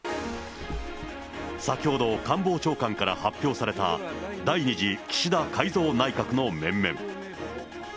先ほど、官房長官から発表された、第２次岸田改造内閣の面々。